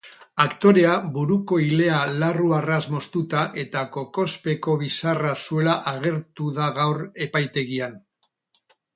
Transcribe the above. Aktorea buruko ilea larru-arras moztuta eta kokospeko bizarra zuela agertu da gaur epaitegian.